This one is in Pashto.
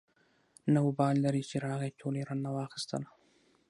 نه وبال لري چې راغی ټوله يې رانه واخېستله.